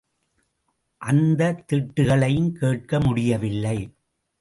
அந்த திட்டுகளையும் கேட்க முடியவில்லை.